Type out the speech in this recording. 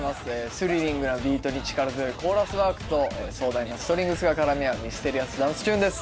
スリリングなビートに力強いコーラスワークと壮大なストリングスが絡み合うミステリアスダンスチューンです。